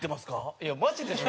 いやマジでしょ。